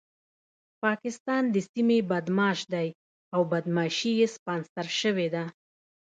پاکستان د سيمې بدمعاش دی او بدمعاشي يې سپانسر شوې ده.